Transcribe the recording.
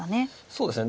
そうですね。